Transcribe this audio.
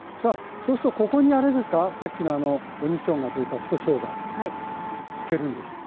そうするとここにあれですかさっきのあの鬼しょうがというか太しょうがつけるんでしょうか？